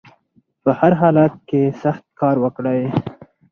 په هر حالت کې سخت کار وکړئ